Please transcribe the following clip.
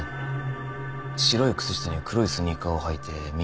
白い靴下に黒いスニーカーを履いて耳をかいていた。